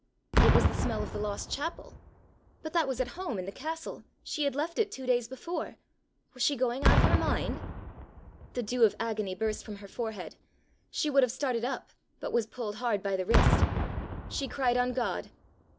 It was the smell of the lost chapel! But that was at home in the castle! she had left it two days before! Was she going out of her mind? The dew of agony burst from her forehead. She would have started up, but was pulled hard by the wrist! She cried on God.